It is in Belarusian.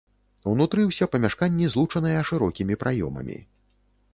Унутры ўсе памяшканні злучаныя шырокімі праёмамі.